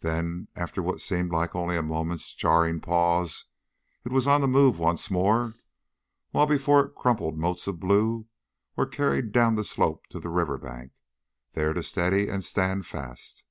Then, after what seemed like only a moment's jarring pause, it was on the move once more while before it crumpled motes of blue were carried down the slope to the riverbank, there to steady and stand fast.